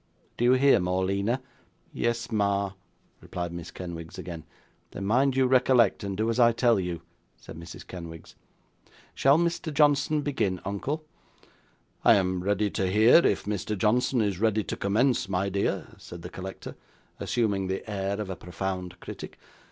Do you hear, Morleena?' 'Yes, ma,' replied Miss Kenwigs again. 'Then mind you recollect, and do as I tell you,' said Mrs. Kenwigs. 'Shall Mr. Johnson begin, uncle?' 'I am ready to hear, if Mr. Johnson is ready to commence, my dear,' said the collector, assuming the air of a profound critic.